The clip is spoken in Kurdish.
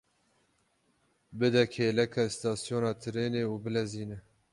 Bide kêleka îstasyona trênê û bilezîne!